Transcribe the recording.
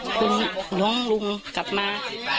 ขอบภัณฑ์ให้คุณน้องลุงกลับมา